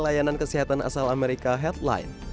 layanan kesehatan asal amerika headline